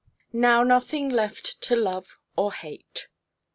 'NOW NOTHING LEFT TO LOVE OR HATE.'